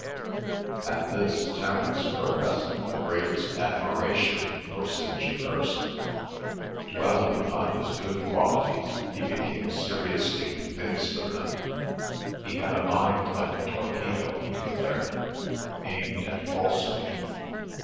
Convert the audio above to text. At this Terence professed the greatest admiration for St. John Hirst. Dwelling upon his good qualities he became seriously convinced of them; he had a mind like a torpedo, he declared, aimed at falsehood.